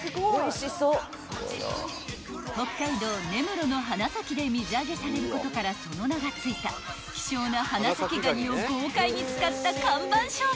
［北海道根室の花咲で水揚げされることからその名が付いた希少な花咲がにを豪快に使った看板商品］